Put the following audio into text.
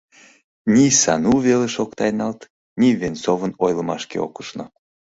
Ни Сану велыш ок тайналт, ни Венцовын ойлымашке ок ушно.